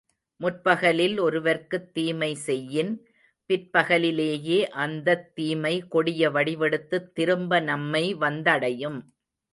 முற்பகலில் ஒருவர்க்குத் தீமை செய்யின், பிற்பகலிலேயே அந்தத்தீமை கொடிய வடிவெடுத்துத் திரும்ப நம்மை வந்தடையும்.